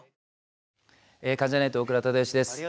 関ジャニ∞大倉忠義です。